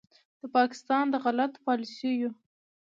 د پاکستان د غلطو پالیسیو